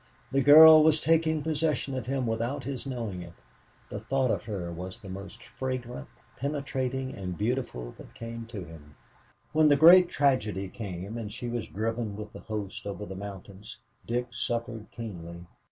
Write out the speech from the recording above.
The girl was taking possession of him without his knowing it. The thought of her was the most fragrant, penetrating and beautiful that came to him. When the great tragedy came, and she was driven with the host over the mountains, Dick suffered keenly.